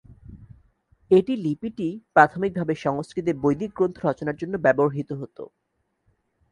এটি লিপিটি প্রাথমিকভাবে সংস্কৃতে বৈদিক গ্রন্থ রচনার জন্য ব্যবহৃত হত।